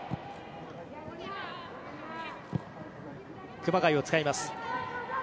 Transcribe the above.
熊谷を使います。